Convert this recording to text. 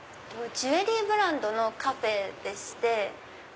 ジュエリーブランドのカフェでして。